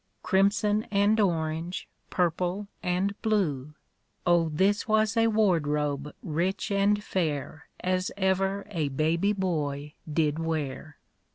Crimson and orange, purple and blue ; Oh, this was a wardrobe rich and fair As ever a baby boy did wear